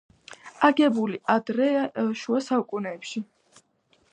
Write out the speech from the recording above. აგებული ადრე შუა საუკუნეებში.